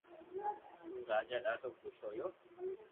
تو راجا ڌادو خوݾ ھويو